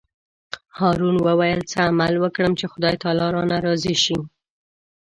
هارون وویل: څه عمل وکړم چې خدای تعالی رانه راضي شي.